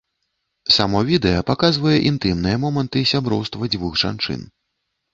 Само відэа паказвае інтымныя моманты сяброўства дзвюх жанчын.